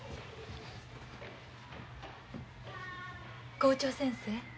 校長先生。